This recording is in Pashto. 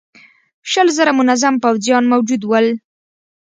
شل زره منظم پوځيان موجود ول.